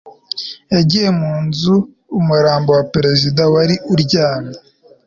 yagiye mu nzu umurambo wa perezida wari uryamye